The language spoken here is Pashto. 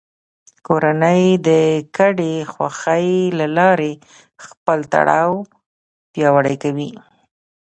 کورنۍ د ګډې خوښۍ له لارې خپل تړاو پیاوړی کوي